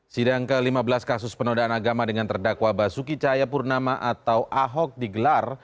sidang ke lima belas kasus penodaan agama dengan terdakwa basuki cahayapurnama atau ahok digelar